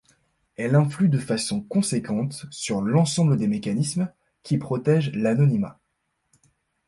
Elle influe de façon conséquente sur l'ensemble des mécanismes qui protège l'anonymat.